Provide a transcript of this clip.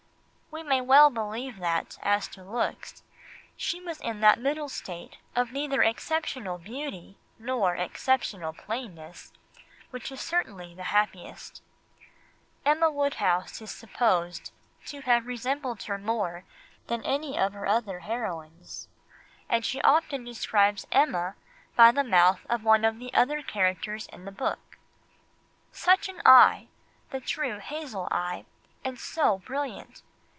We may well believe that, as to looks, she was in that middle state of neither exceptional beauty nor exceptional plainness, which is certainly the happiest. Emma Woodhouse is supposed to have resembled her more than any of her other heroines, and she herself describes Emma by the mouth of one of the other characters in the book: "'Such an eye! the true hazel eye, and so brilliant!